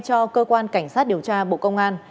cho cơ quan cảnh sát điều tra bộ công an